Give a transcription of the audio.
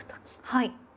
はい。